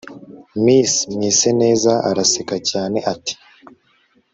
miss mwiseneza araseka cyane ati